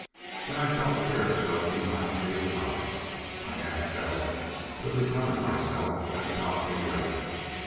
Then I felt Derek shove me violently aside. I half fell, but recovered myself at the balcony rail.